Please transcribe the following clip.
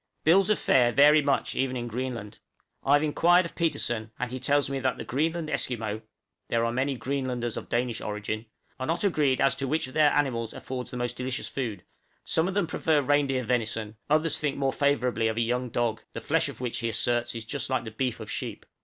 Bills of fare vary much, even in Greenland. I have inquired of Petersen, and he tells me that the Greenland Esquimaux (there are many Greenlanders of Danish origin) are not agreed as to which of their animals affords the most delicious food; some of them prefer reindeer venison, others think more favorably of young dog, the flesh of which, he asserts, is "just like the beef of sheep."